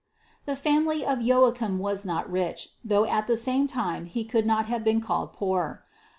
401. The family of Joachim was not rich, though at the same time he could not have been called poor.